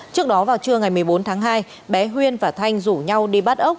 trước đó vào trưa ngày một mươi bốn tháng hai bé huyên và thanh rủ nhau đi bắt ốc